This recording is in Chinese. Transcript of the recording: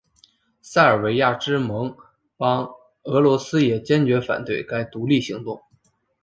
塞尔维亚之盟邦俄罗斯也坚持反对该独立行动。